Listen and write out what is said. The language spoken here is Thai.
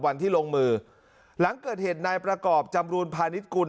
วันที่ลงมือหลังเกิดเหตุนายประกอบจำรูนพาณิชยกุล